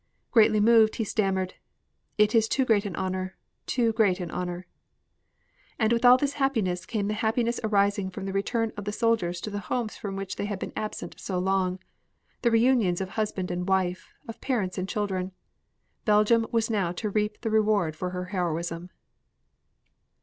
Greatly moved, he stammered, "It is too great an honor, too great an honor." And with all this happiness came the happiness arising from the return of the soldiers to the homes from which they had been absent so long, the reunions of husband and wife, of parents and children. Belgium was now to reap the reward for her heroism.